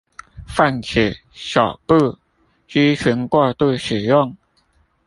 泛指肘部肌群過度使用